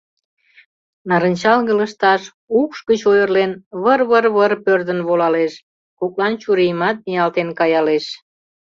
Нарынчалге лышташ, укш гыч ойырлен, выр-выр-выр пӧрдын волалеш, коклан чурийымат ниялтен каялеш.